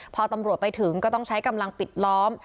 พอตำรวจไปถึงก็ต้องใช้กำลังปิดล้อม